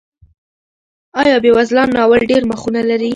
آیا بېوزلان ناول ډېر مخونه لري؟